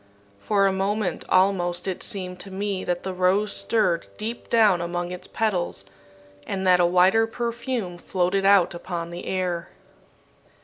For a moment almost it seemed to me that the rose stirred deep down among its petals, and that a wider perfume floated out upon the air.